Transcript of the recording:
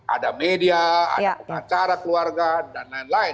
ada media ada pengacara keluarga dan lain lain